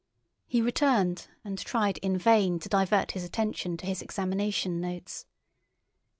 He returned and tried in vain to divert his attention to his examination notes.